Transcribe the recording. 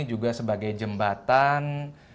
juga sebagai jembatan